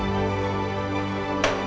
mungkin aku terus bisa kacau